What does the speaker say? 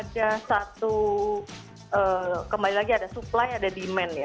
di satu sisi kan kembali lagi ada suplai ada demand